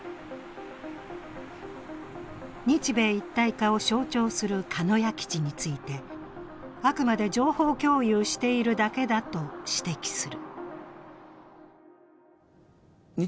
日米一体化を象徴する鹿屋基地について、あくまで情報共有しているだけだと指摘する。